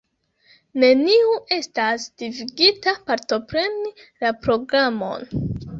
Neniu estas devigita partopreni la programon.